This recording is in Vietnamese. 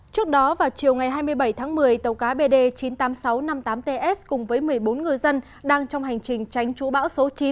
trước đó vào chiều ngày hai mươi bảy tháng một mươi tàu cá bd chín trăm tám mươi sáu năm mươi tám ts cùng với một mươi bốn ngư dân đang trong hành trình tránh chủ bão số chín